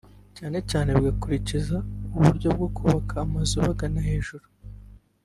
cyane cyane bagakurikiza uburyo bwo kubaka amazu bagana hejuru